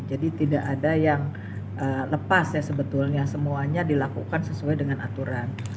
jadi tidak ada yang lepas ya sebetulnya semuanya dilakukan sesuai dengan aturan